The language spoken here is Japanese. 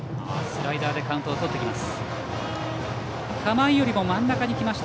スライダーでカウントをとってきます。